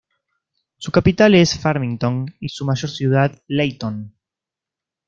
Su capital es Farmington y su mayor ciudad Layton.